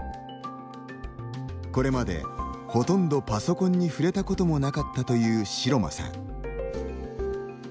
これまでほとんどパソコンに触れたこともなかったという城間さん。